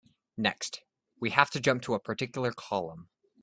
Next, we have to jump to a particular column.